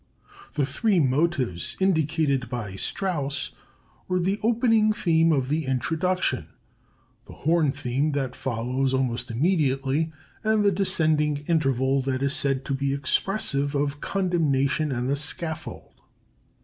The three motives indicated by Strauss were the opening theme of the introduction, the horn theme that follows almost immediately, and the descending interval that is said to be expressive of condemnation and the scaffold.